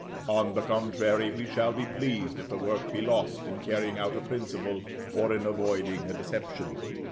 On the contrary, we shall be pleased if the work be lost in carrying out a principle, or in avoiding a deception.